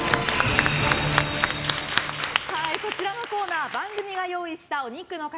こちらのコーナー番組が用意したお肉の塊